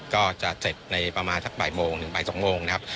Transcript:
ก็จะเสร็จในประมาณสักบ่ายโมงถึงบ่าย๒โมงนะครับ